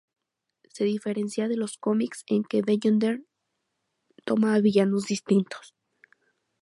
Se diferencia de los cómics en que Beyonder toma a villanos distintos.